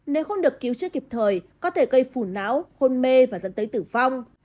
nếu không được cứu trước kịp thời có thể gây phủ não hôn mê và dẫn tới tử vong